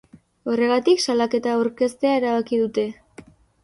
Horregatik, salaketa aurkeztea erabaki dute.